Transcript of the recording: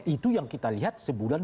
itu yang kita lihat sebulan